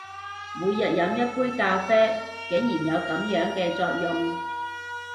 每天飲一杯咖啡，竟然有噉樣嘅作用！